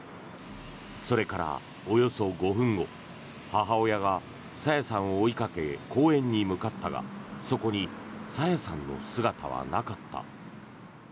それからおよそ５分後、母親が朝芽さんを追いかけ公園に向かったがそこに朝芽さんの姿はなかった。